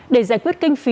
để giải quyết kinh phí